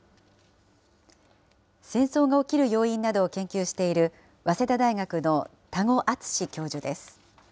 戦争が起きる要因などを研究している、早稲田大学の多湖淳教授です。